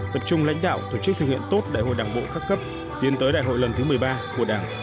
tập trung lãnh đạo tổ chức thực hiện tốt đại hội đảng bộ các cấp tiến tới đại hội lần thứ một mươi ba của đảng